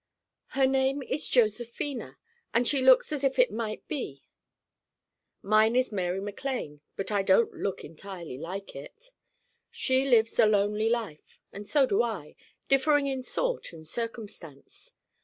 Her name is Josephina and she looks as if it might be. Mine is Mary MacLane but I don't look entirely like it. She lives a lonely life and so do I, differing in sort and circumstance.